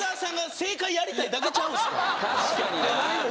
確かにな